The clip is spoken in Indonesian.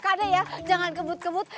karena ya jangan kebut kebut